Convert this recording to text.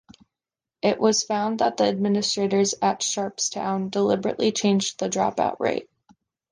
It was found that the administrators at Sharpstown deliberately changed the dropout rate.